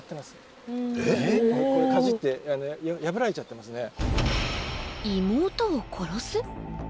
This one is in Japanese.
かじって破られちゃってますね。